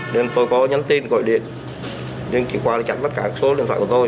nên tôi có nhắn tin gọi điện nhưng chị khoa chẳng đặt cả số điện thoại của tôi